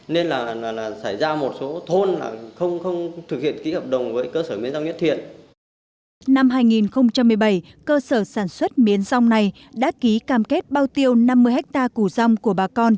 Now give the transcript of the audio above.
năm hai nghìn một mươi bảy cơ sở sản xuất miến rong này đã ký cam kết bao tiêu năm mươi hectare củ rong của bà con